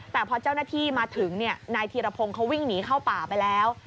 แต่พอเจ้าหน้าที่มาถึงนายธีรพงศ์เขาวิ่งหนีเข้าป่าไปแล้ว